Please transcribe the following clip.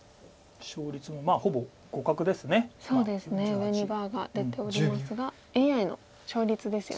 上にバーが出ておりますがＡＩの勝率ですよね。